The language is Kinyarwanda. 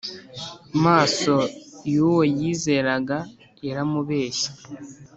maso y Uwo yizeraga yaramubeshye